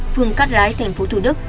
phường cát rái tp thủ đức